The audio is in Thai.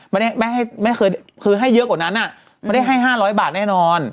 มันไม่ให้เยอะกว่านั้นมันได้ให้๕๐๐บาทแน่นอน